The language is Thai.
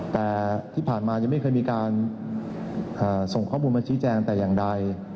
แต่ที่ผ่านมายังไม่เคยมีการส่งข้อมูลมาชี้แจงแต่อย่างใด